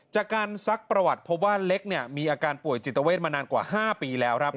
ซักประวัติเพราะว่าเล็กมีอาการป่วยจิตเวทมานานกว่า๕ปีแล้วครับ